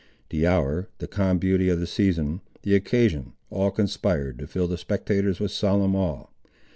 The hour—the calm beauty of the season—the occasion, all conspired to fill the spectators with solemn awe.